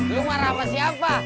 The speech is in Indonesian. lo marah sama siapa